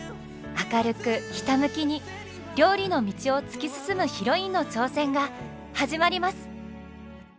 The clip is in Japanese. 明るくひたむきに料理の道を突き進むヒロインの挑戦が始まります！